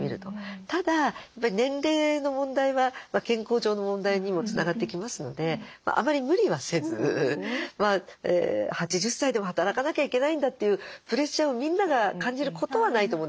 ただ年齢の問題は健康上の問題にもつながってきますのであまり無理はせず８０歳でも働かなきゃいけないんだというプレッシャーをみんなが感じることはないと思うんですよ。